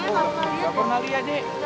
gak pernah lihat